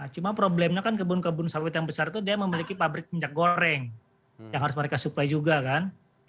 cuma problemnya kan kebun kebun sawit yang besar itu dia memiliki pabrik minyak goreng yang harus mereka supply juga kan